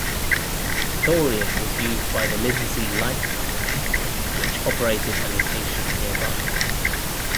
Thorium was used by the Lindsay Light Company, which operated a location nearby.